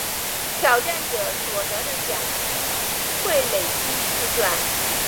挑战者所得的奖金会累积计算。